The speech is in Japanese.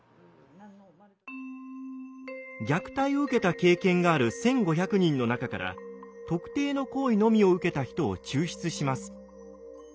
虐待を受けた経験がある１，５００人の中から特定の行為のみを受けた人を抽出します。